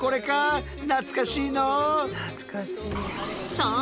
そう！